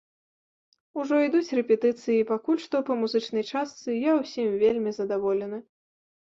Ужо ідуць рэпетыцыі і пакуль што па музычнай частцы я ўсім вельмі задаволены.